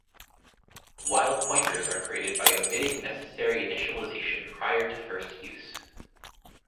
Wild pointers are created by omitting necessary initialization prior to first use.